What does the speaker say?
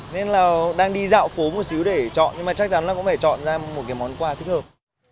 nên là đang đi dạo phố một xíu để chọn nhưng mà chắc chắn là cũng phải chọn ra một cái món quà thích hợp